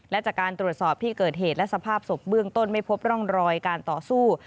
และจากการตรวจสอบที่เกิดเหตุและสภาพศพเบื้องต้นไม่พบร่องรอยการต่อสู้